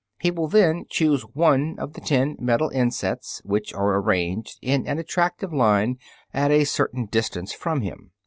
He will then choose one of the ten metal insets, which are arranged in an attractive line at a certain distance from him.